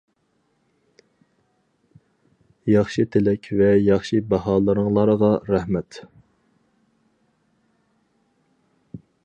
ياخشى تىلەك ۋە ياخشى باھالىرىڭلارغا رەھمەت.